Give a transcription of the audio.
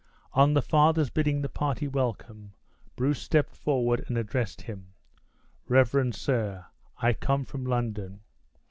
On the father's bidding the party welcome, Bruce stepped forward and addressed him: "Reverend sir, I come from London.